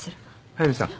速見さん。